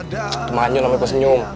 itu manjul sampe gue senyum